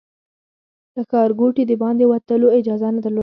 له ښارګوټي د باندې وتلو اجازه نه درلوده.